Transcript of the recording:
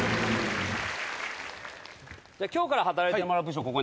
今日から働いてもらう部署